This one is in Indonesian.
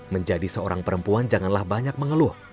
menjadi seorang perempuan janganlah banyak mengeluh